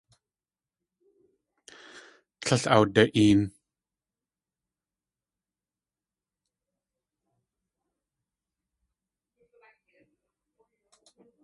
Tlél awda.een.